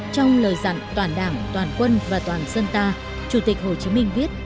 trong lời dặn toàn đảng toàn quân và toàn dân ta chủ tịch hồ chí minh viết